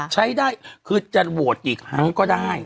ใช้ได้คือจะโหวตกี่ครั้งก็ได้